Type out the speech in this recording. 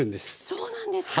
そうなんですか。